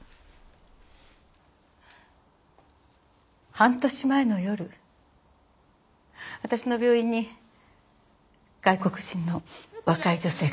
半年前の夜私の病院に外国人の若い女性が逃げ込んできたの。